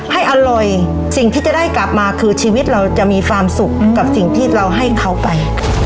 ให้อร่อยสิ่งที่จะได้กลับมาคือชีวิตเราจะมีความสุขกับสิ่งที่เราให้เขาไป